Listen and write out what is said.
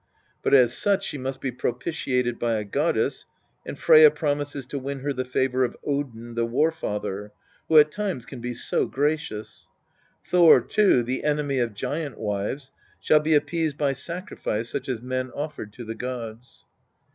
But as such she must be propitiated by a goddess, and Freyja promises to win her the favour of Odin, the War father, who at times can be so gracious ; Thor too, the enemy of giant wives, shall be appeased by sacrifice such as men offered to the gods.